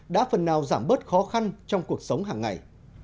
đã phần nào giảm bớt khó khăn trong cuộc sống hàng ngày